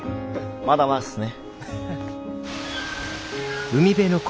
まだまだっすね。